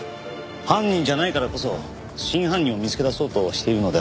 犯人じゃないからこそ真犯人を見つけ出そうとしているのではないでしょうか。